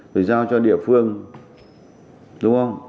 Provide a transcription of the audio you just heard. phải giao cho địa phương đúng không